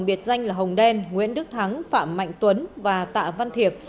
biệt danh là hồng đen nguyễn đức thắng phạm mạnh tuấn và tạ văn thiệp